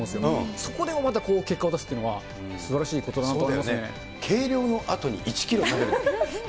そこでもまた結果を出すっていうのが、すばらしいことだと思いま軽量のあとに１キロ増える。